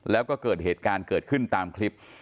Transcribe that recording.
แล้วก็เกิดเหตุการณ์เกิดขึ้นตามคลิป